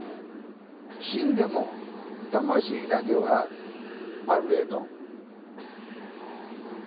死んでも魂だけはあるでと。